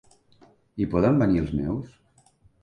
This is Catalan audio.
Hi poden venir els meus?